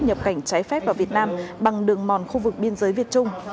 nhập cảnh trái phép vào việt nam bằng đường mòn khu vực biên giới việt trung